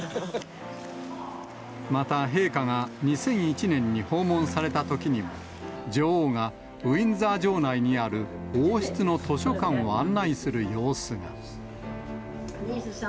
また、陛下が２００１年に訪問されたときにも、女王がウィンザー城内にある王室の図書館を案内する様子が。